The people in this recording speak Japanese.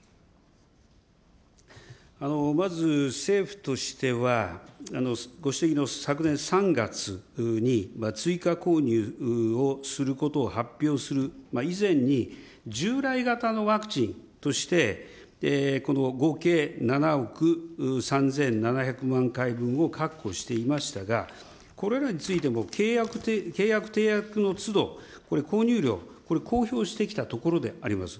まず、政府としては、ご指摘の昨年３月に追加購入をすることを発表する以前に、従来型のワクチンとして、この合計７億３７００万回分を確保していましたが、これらについても契約締約のつど、これ、購入量、これ公表してきたところであります。